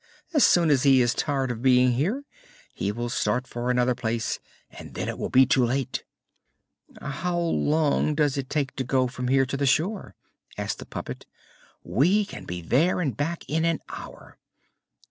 As soon as he is tired of being here he will start for another place, and then it will be too late." "How long does it take to go from here to the shore?" asked the puppet. "We can be there and back in an hour."